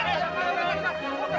makan makan makan